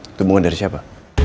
itu bunga dari siapa